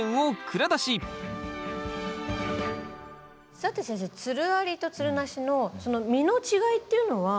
さて先生つるありとつるなしのその実の違いっていうのは。